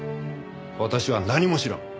私は何も知らん。